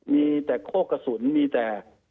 มีแต่โคกกระสุนมีแต่